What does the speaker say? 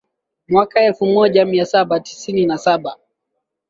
Mwaka elfu moja mia saba tisini na saba